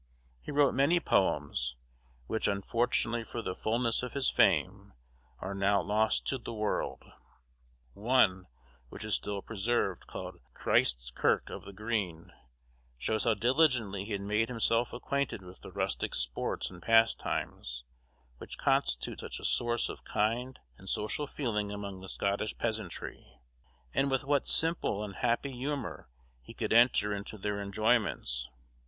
He wrote many poems, which, unfortunately for the fulness of his fame, are now lost to the world; one, which is still preserved, called "Christ's Kirk of the Green," shows how diligently he had made himself acquainted with the rustic sports and pastimes, which constitute such a source of kind and social feeling among the Scottish peasantry; and with what simple and happy humor he could enter into their enjoyments.